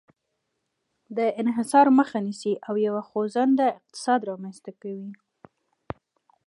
د انحصار مخه نیسي او یو خوځنده اقتصاد رامنځته کوي.